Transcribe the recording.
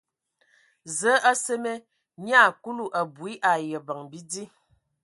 Zəə a seme nyia Kulu abui ai abəŋ bidi.